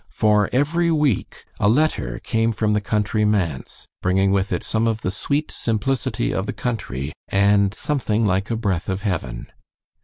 For every week a letter came from the country manse, bringing with it some of the sweet simplicity of the country and something like a breath of heaven.